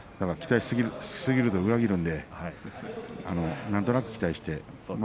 期待しすぎると、裏切るんでなんとなく期待して。